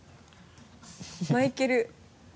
マイケル。